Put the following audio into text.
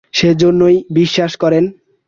সেইজন্যেই বিশ্বাস করেন।